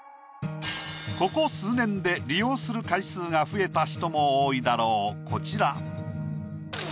ここ数年で利用する回数が増えた人も多いだろうこちら。